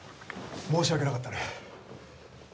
申し訳なかったね。